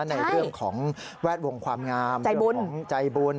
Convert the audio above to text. ในเรื่องของแวดวงความงามของใจบุญ